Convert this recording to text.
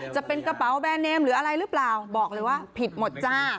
จะเป็นกระเป๋าแบรนเนมหรืออะไรหรือเปล่าบอกเลยว่าผิดหมดจ้า